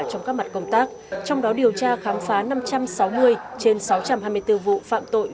trong các mặt công tác trong đó điều tra khám phá năm trăm sáu mươi trên sáu trăm hai mươi bốn vụ phạm tội